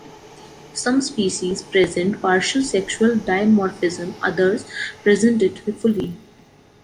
Some species present partial sexual dimorphism, others present it fully.